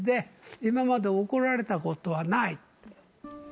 人生で今まで怒られたことはないって。